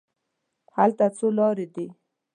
هلته څو لارې دي.